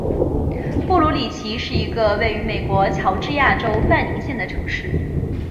布卢里奇是一个位于美国乔治亚州范宁县的城市。